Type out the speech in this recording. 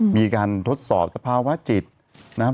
มีการทดสอบสภาวะจิตนะครับ